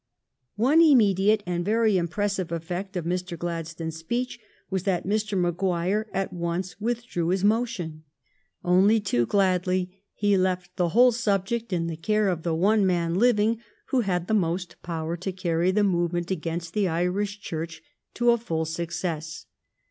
One immediate and very impressive effect of Mr. Gladstone's speech was that Mr. Maguire at once withdrew his motion. Only too gladly he left the whole subject in the care of the one man living who had most power to carry the movement against the Irish Church to a full success.